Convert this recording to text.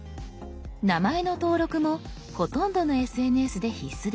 名前の登録もほとんどのＳＮＳで必須です。